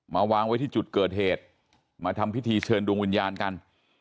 วางไว้ที่จุดเกิดเหตุมาทำพิธีเชิญดวงวิญญาณกัน